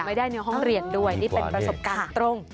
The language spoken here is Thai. ไม่ได้ในห้องเรียนด้วยนี่เป็นประสบการณ์ตรง